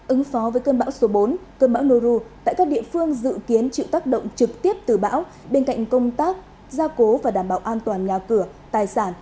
ứng phó với cơn bão số bốn cơn bão nu tại các địa phương dự kiến chịu tác động trực tiếp từ bão bên cạnh công tác gia cố và đảm bảo an toàn nhà cửa tài sản